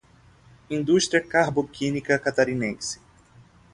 Indústria Carboquímica Catarinense